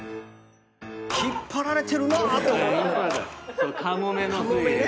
引っ張られてるなぁ！と思って。